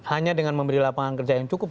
hanya dengan memberi lapangan kerja yang cukup